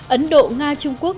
ấn độ nga trung quốc